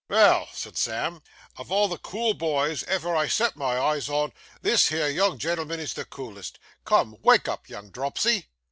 'Well,' said Sam, 'of all the cool boys ever I set my eyes on, this here young gen'l'm'n is the coolest. Come, wake up, young dropsy!